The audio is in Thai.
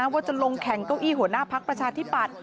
ว่าจะลงแข่งเก้าอี้หัวหน้าพักประชาธิปัตย